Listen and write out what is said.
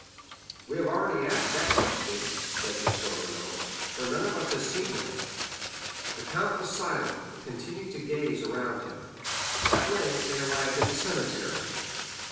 "We have already asked that question," said Château Renaud, "for none of us has seen him." The count was silent, but continued to gaze around him. At length they arrived at the cemetery.